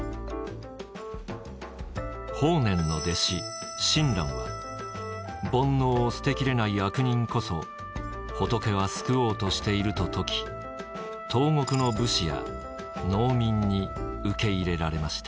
法然の弟子親鸞は「煩悩を捨て切れない悪人こそ仏は救おうとしている」と説き東国の武士や農民に受け入れられました。